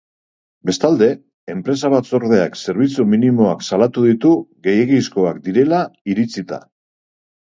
Bestalde, enpresa-batzordeak zerbitzu minimoak salatu ditu, gehiegizkoak direla iritzita.